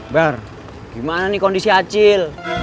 bar gimana nih kondisi acil